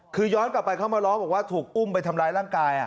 คือย้อนกลับไปเขามาร้องบอกว่าถูกอุ้มไปทำร้ายร่างกาย